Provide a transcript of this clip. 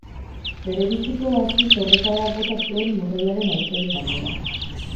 Berebiziko hazi zorrotada bota zuen morroiaren aurpegi gainera.